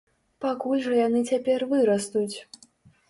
Пакуль жа яны цяпер вырастуць!